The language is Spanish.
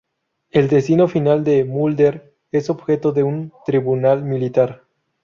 El destino final de Mulder es objeto de un tribunal militar.